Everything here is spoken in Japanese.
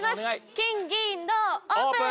金銀銅オープン！